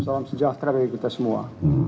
salam sejahtera bagi kita semua